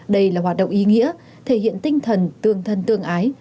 đây là hoạt động ý nghĩa thể hiện tinh thần tương thân tương ái